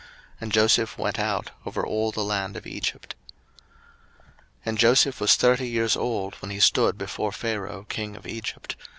And Joseph went out over all the land of Egypt. 01:041:046 And Joseph was thirty years old when he stood before Pharaoh king of Egypt.